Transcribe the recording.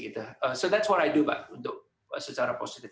jadi itu yang saya lakukan pak untuk secara positif